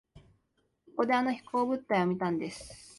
ここであの飛行物体を見たんです。